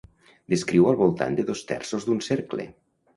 Descriu al voltant de dos terços d'un cercle.